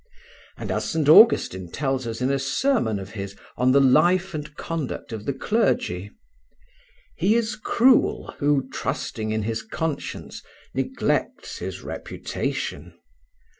And as St. Augustine tells us in a sermon of his on the life and conduct of the clergy, "He is cruel who, trusting in his conscience, neglects his reputation."